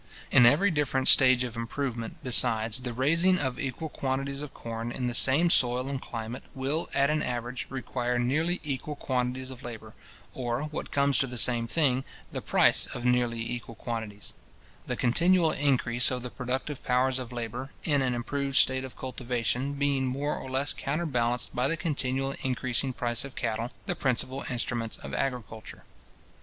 In every different stage of improvement, besides, the raising of equal quantities of corn in the same soil and climate, will, at an average, require nearly equal quantities of labour; or, what comes to the same thing, the price of nearly equal quantities; the continual increase of the productive powers of labour, in an improved state of cultivation, being more or less counterbalanced by the continual increasing price of cattle, the principal instruments of agriculture.